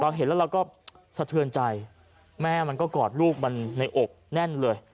เห็นแล้วเราก็สะเทือนใจแม่มันก็กอดลูกมันในอกแน่นเลย